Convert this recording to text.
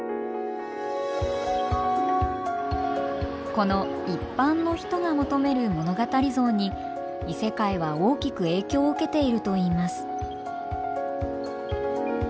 この一般の人が求める物語像に異世界は大きく影響を受けているといいます。